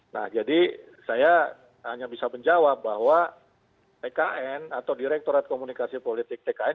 nah jadi saya hanya bisa menjawab bahwa tkn atau direktorat komunikasi politik tkn